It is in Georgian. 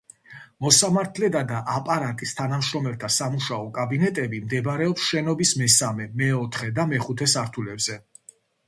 მოსამართლეთა და აპარატის თანამშრომელთა სამუშაო კაბინეტები მდებარეობს შენობის მესამე, მეოთხე და მეხუთე სართულებზე.